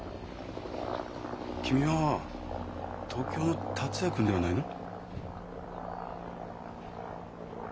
君は東京の達也君ではないの？